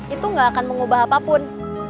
itu gak akan mengubah apapun